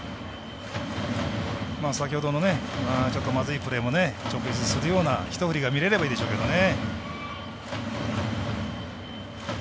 先ほどのちょっとまずいプレーも帳消しにするようなひと振りが見れればいいでしょうけどね。